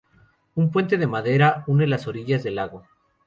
Un puente de madera une las dos orillas del lago.